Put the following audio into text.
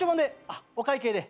あっお会計で。